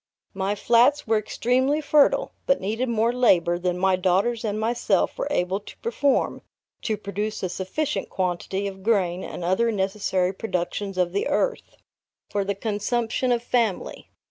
My flats were extremely fertile; but needed more labor than my daughters and myself were able to perform, to produce a sufficient quantity of grain and other necessary productions of the earth, for the consumption of our family.